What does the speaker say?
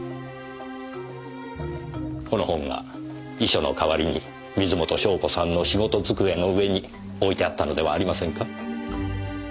この本が遺書の代わりに水元湘子さんの仕事机の上に置いてあったのではありませんか？